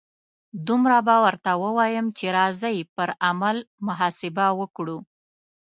دومره به ورته ووایم چې راځئ پر عمل محاسبه وکړو.